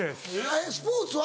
えっスポーツは？